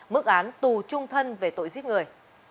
mức án tù trung thân về tội giết người